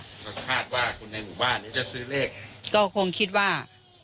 เราก็คาดว่าคนในหมู่บ้านนี้จะซื้อเลขก็คงคิดว่า